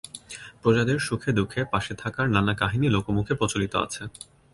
প্রজাদের সুখে-দুঃখে পাশে থাকার নানা কাহিনী লোকমুখে প্রচলিত আছে।